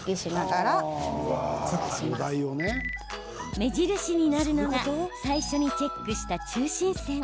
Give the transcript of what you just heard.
目印になるのが最初にチェックした中心線。